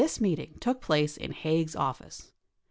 This meeting took place in Haig's office.